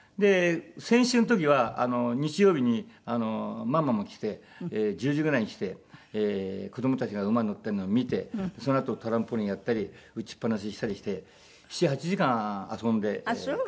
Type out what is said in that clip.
先週の時は日曜日にママも来て１０時ぐらいに来て子どもたちが馬に乗ってるのを見てそのあとトランポリンやったり打ちっ放ししたりして７８時間遊んで帰ったりとかね。